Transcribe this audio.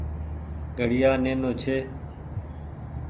گهڙيآ نينو ڇي۔